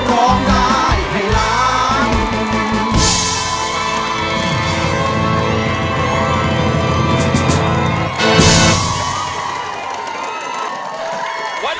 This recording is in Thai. ร้องได้ให้ล้าง